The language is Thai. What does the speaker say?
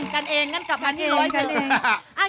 กันเองนั่นกลับทางที่๑๐๐กันเอง